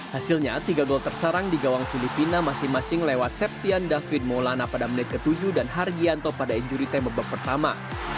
hasilnya tiga gol tersarang di gawang filipina masing masing lewat septian david maulana pada menit ke tujuh dan hargianto pada injury time babak pertama